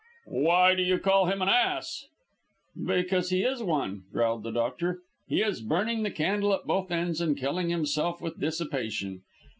"Why do you call him an ass?" "Because he is one," growled the doctor; "he is burning the candle at both ends, and killing himself with dissipation.